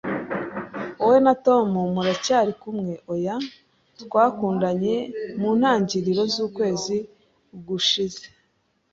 "Wowe na Tom muracyari kumwe?" "Oya, twatandukanye mu ntangiriro z'ukwezi gushize."